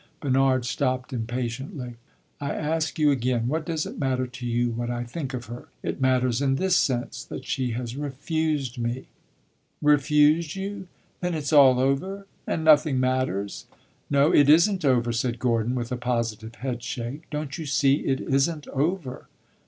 Bernard stopped impatiently. "I ask you again, what does it matter to you what I think of her?" "It matters in this sense that she has refused me." "Refused you? Then it is all over, and nothing matters." "No, it is n't over," said Gordon, with a positive head shake. "Don't you see it is n't over?"